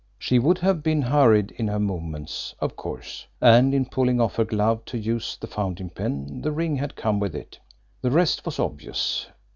She would have been hurried in her movements, of course, and in pulling off her glove to use the fountain pen the ring had come with it. The rest was obvious.